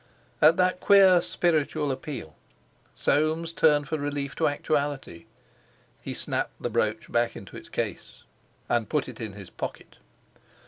At that queer spiritual appeal Soames turned for relief to actuality. He snapped the brooch back into its case and put it in his pocket.